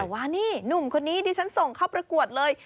ว่านี่หนุ่มคนนี้ดิฉันส่งเข้าประกวดเลย